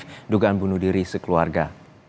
dan motif dugaan bunuh diri sekeluarga